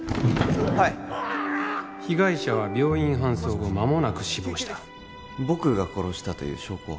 はい・被害者は病院搬送後間もなく死亡した僕が殺したという証拠は？